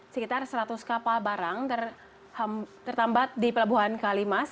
sekitar seratus kapal barang tertambat di pelabuhan kalimas